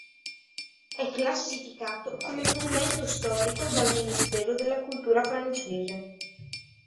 È classificato come monumento storico dal Ministero della Cultura francese.